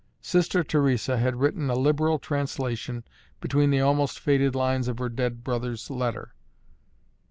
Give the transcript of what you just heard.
Sister Theresa had written a liberal translation between the almost faded lines of her dead brother's letter.